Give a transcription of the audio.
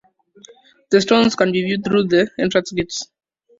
The stones can be viewed through the entrance gates.